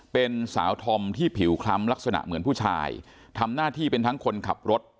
เป็นสาวธอมที่ผิวคล้ำลักษณะเหมือนผู้ชายทำหน้าที่เป็นทั้งคนขับรถ